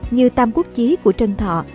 như tam quốc chí của trần thọ